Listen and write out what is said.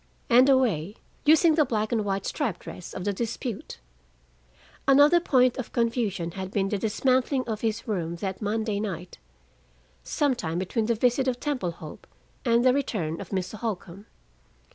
And a way using the black and white striped dress of the dispute. Another point of confusion had been the dismantling of his room that Monday night, some time between the visit of Temple Hope and the return of Mr. Holcombe.